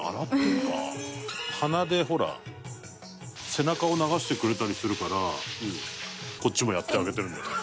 鼻でほら背中を流してくれたりするからこっちもやってあげてるんじゃない？